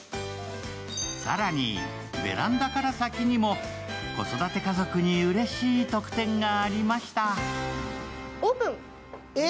更にベランダから先にも子育て家族にうれしい特典がありました。